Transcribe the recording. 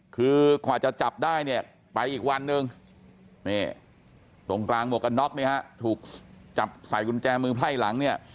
คือกว่าจะจับได้เนี่ยไปอีกวันหนึ่งตรงกลางหมวกกันน็อกเนี่ยฮะถูกจับใส่กุญแจมือไพร่หลังเนี่ย